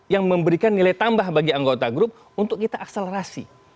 yang memberikan nilai tambah bagi anggota grup untuk kita akselerasi